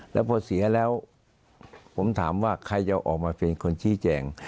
แล้วพอเสียแล้วผมถามว่าใครจะออกมาเป็นคนชี้แจง